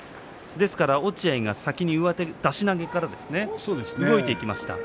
落合が先に上手出し投げから動いてきましたね。